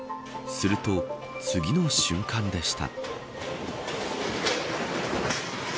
すると、次の瞬間でした。